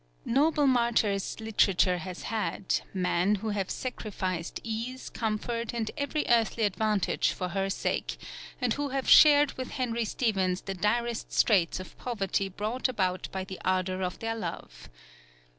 Noble martyrs Literature has had, men who have sacrificed ease, comfort, and every earthly advantage for her sake, and who have shared with Henry Stephens the direst straits of poverty brought about by the ardour of their love.